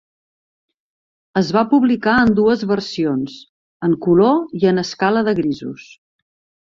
Es va publicar en dues versions: en color i en escala de grisos.